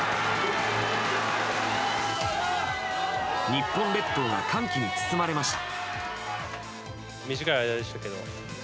日本列島が歓喜に包まれました。